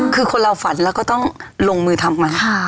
คือคนเราฝันเราก็ต้องลงมือทำมัน